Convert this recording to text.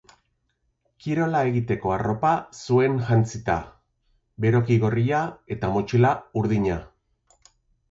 Kirola egiteko arropa zuen jantzita, beroki gorria eta motxila urdina.